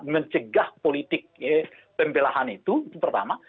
mencegah politik pembelahan itu itu pertama